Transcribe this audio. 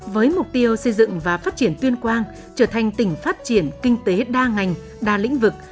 với mục tiêu xây dựng và phát triển tuyên quang trở thành tỉnh phát triển kinh tế đa ngành đa lĩnh vực